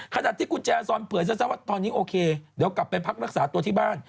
ขณะที่คุณแจซอนเผยซะว่าตอนนี้โอเคเดี๋ยวกลับไปพักรักษาตัวที่บ้าน